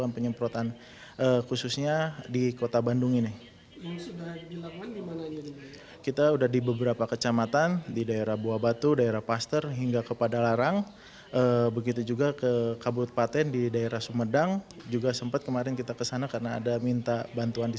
penyemprotan sudah dilakukan di banyak lokasi